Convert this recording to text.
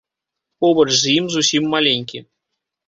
Побач з ім зусім маленькі.